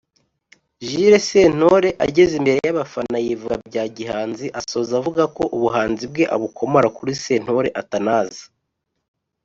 Jules Sentore ageze imbere y’abafana yivuga bya gihanzi asoza avuga ko ’ubuhanzi bwe abukomora kuri Sentore Athanase’